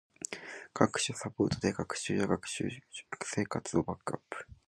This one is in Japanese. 各種サポートで学習や学生生活をバックアップ